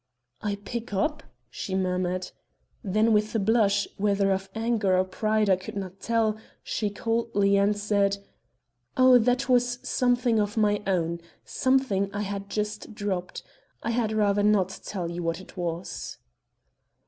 "I pick up?" she murmured. Then with a blush, whether of anger or pride I could not tell, she coldly answered: "Oh, that was something of my own, something I had just dropped. I had rather not tell you what it was."